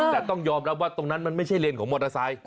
แต่ต้องยอมรับว่าตรงนั้นมันไม่ใช่เลนของมอเตอร์ไซค